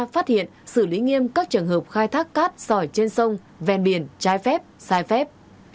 phát hiện xử lý nghiêm các trường hợp khai thác cát sỏi trên sông ven biển trái phép sai phép